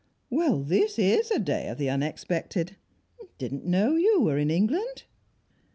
"Well, this is a day of the unexpected! Didn't know you were in England."